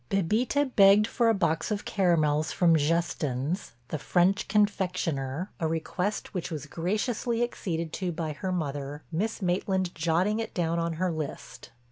Bébita begged for a box of caramels from Justin's, the French confectioner, a request which was graciously acceded to by her mother, Miss Maitland jotting it down on her list.